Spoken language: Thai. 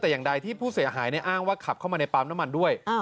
แต่อย่างใดที่ผู้เสียหายอ้างว่าขับเข้ามาในปั๊มน้ำมันด้วย